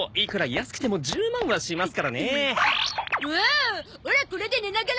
オラこれで寝ながら帰る！